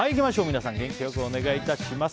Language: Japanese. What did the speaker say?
皆さん、元気良くお願いします。